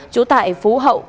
trú tại phú hậu